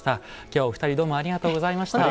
今日はお二人どうもありがとうございました。